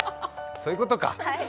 そういうことか。